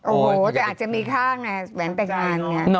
โอ้โฮแต่อาจจะมีค่าไงแหวนแต่งงาน